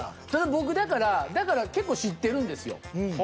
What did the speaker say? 僕だからだから結構知ってるんですよ。